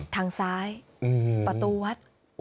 ทางซ้ายประตูวัด